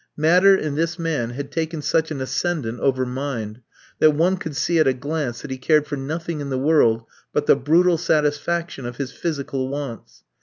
Matter, in this man, had taken such an ascendant over mind, that one could see at a glance that he cared for nothing in the world but the brutal satisfaction of his physical wants.